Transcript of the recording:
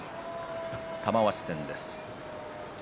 玉鷲戦です。